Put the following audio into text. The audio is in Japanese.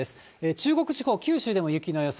中国地方、九州でも雪の予想。